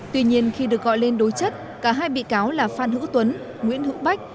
tuy nhiên khi được gọi lên đối chất cả hai bị cáo là phan hữu tuấn nguyễn hữu bách